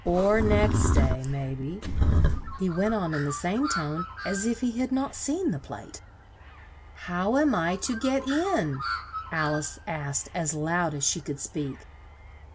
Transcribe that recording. " or next day, may be," he went on in the same tone as if he had not seen the plate. "How am I to get in?" Al ice asked as loud as she could speak.